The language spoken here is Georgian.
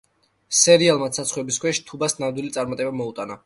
სერიალმა „ცაცხვების ქვეშ“ თუბას ნამდვილი წარმატება მოუტანა.